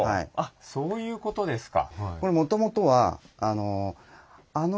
そういうことですか。